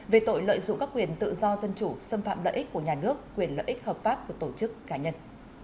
về tội lợi dụng các quyền tự do dân chủ xâm phạm lợi ích của nhà nước quyền lợi ích hợp pháp của tổ chức cá nhân